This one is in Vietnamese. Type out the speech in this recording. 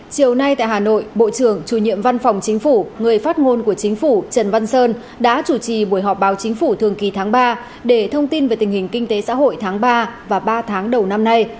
chiều nay tại hà nội bộ trưởng chủ nhiệm văn phòng chính phủ người phát ngôn của chính phủ trần văn sơn đã chủ trì buổi họp báo chính phủ thường kỳ tháng ba để thông tin về tình hình kinh tế xã hội tháng ba và ba tháng đầu năm nay